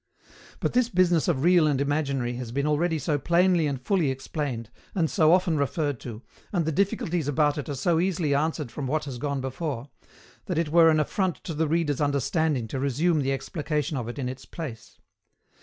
But this business of real and imaginary has been already so plainly and fully explained, and so often referred to, and the difficulties about it are so easily answered from what has gone before, that it were an affront to the reader's understanding to resume the explication of it in its place.